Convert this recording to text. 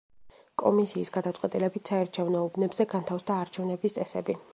კომისიის გადაწყვეტილებით, საარჩევნო უბნებზე განთავსდა არჩევნების წესები.